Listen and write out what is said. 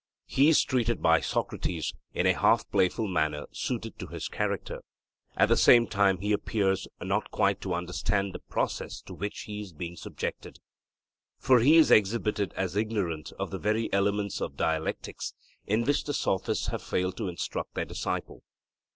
He is treated by Socrates in a half playful manner suited to his character; at the same time he appears not quite to understand the process to which he is being subjected. For he is exhibited as ignorant of the very elements of dialectics, in which the Sophists have failed to instruct their disciple.